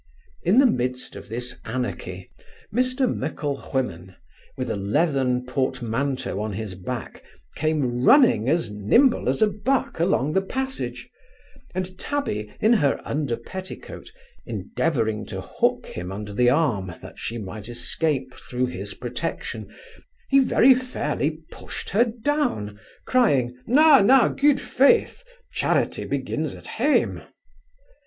In the midst of this anarchy, Mr Micklewhimmen, with a leathern portmanteau on his back, came running as nimble as a buck along the passage; and Tabby in her underpetticoat, endeavouring to hook him under the arm, that she might escape through his protection, he very fairly pushed her down, crying, 'Na, na, gude faith, charity begins at hame!